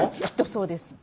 きっとそうです。